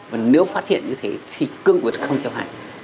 và nếu phát hiện như thế thì cương quyết không chấp hành